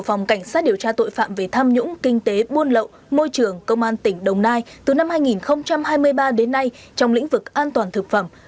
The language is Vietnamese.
phòng cảnh sát điều tra tội phạm về tham nhũng kinh tế buôn lậu môi trường công an tỉnh đồng nai từ năm hai nghìn hai mươi ba đến nay trong lĩnh vực an toàn thực phẩm